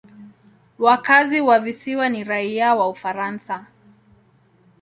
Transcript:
Wakazi wa visiwa ni raia wa Ufaransa.